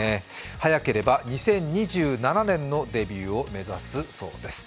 早ければ２０２７年のデビューを目指すそうです。